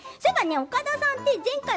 岡田さん